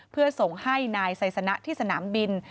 เพื่อส่งให้นายไซสนะที่สนามบิน